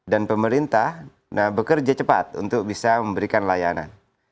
dan pemerintah bekerja cepat untuk bisa memberikan layanan